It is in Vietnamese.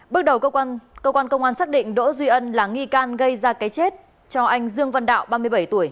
bước đầu cơ quan công an xác định đỗ duy ân là nghi can gây ra cái chết cho anh dương văn đạo ba mươi bảy tuổi